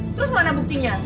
terus mana buktinya